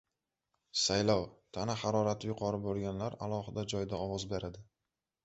Saylov: tana harorati yuqori bo‘lganlar alohida joyda ovoz beradi